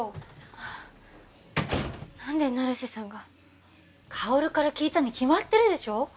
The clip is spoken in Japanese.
あ何で成瀬さんが？薫から聞いたに決まってるでしょ